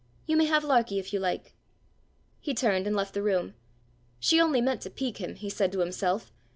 You may have Larkie if you like." He turned and left the room. She only meant to pique him, he said to himself.